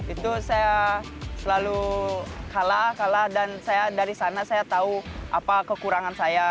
itu saya selalu kalah kalah dan saya dari sana saya tahu apa kekurangan saya